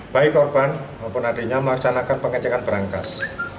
baik korban maupun adiknya melaksanakan pengecekan berangkas